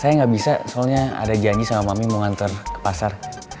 saya nggak bisa soalnya ada janji sama mami mau ngantar ke pasar